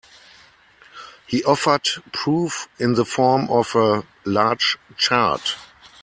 He offered proof in the form of a large chart.